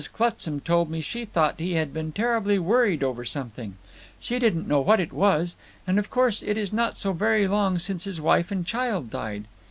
Clutsam told me she thought he had been terribly worried over something; she didn't know what it was; and of course it is not so very long since his wife and child died.